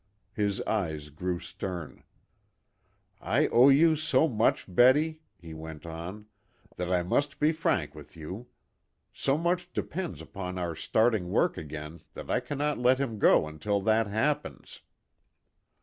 His eyes grew stern. "I owe you so much, Betty," he went on, "that I must be frank with you. So much depends upon our starting work again that I cannot let him go until that happens."